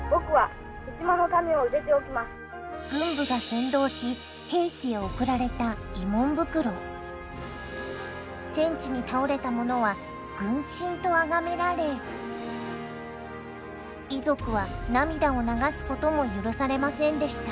軍部が扇動し兵士へ贈られた慰問袋。とあがめられ遺族は涙を流すことも許されませんでした